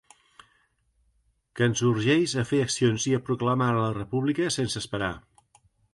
Que ens urgeix a fer accions i a proclamar la república sense esperar.